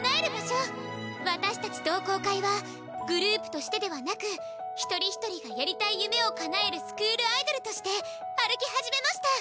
私たち同好会はグループとしてではなく一人一人がやりたい夢を叶えるスクールアイドルとして歩き始めました。